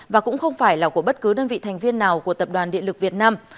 và cũng không phải là của bất cứ đơn vị thành viên nào của tập đoàn điện lực việt nam